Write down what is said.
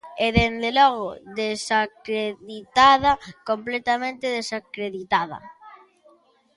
E, dende logo, desacreditada, ¡completamente desacreditada!